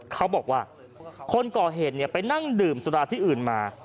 เขาบอกว่าคนก่อเหตุไปนั่งดื่มสุราที่อื่นมา